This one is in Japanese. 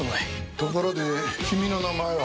ところで君の名前は？